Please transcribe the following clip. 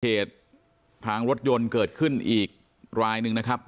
เหตุทางรถยนต์เกิดขึ้นอีกรายหนึ่งนะครับ